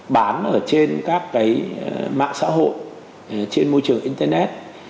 bán ở trên các cái mạng xã hội trên môi trường internet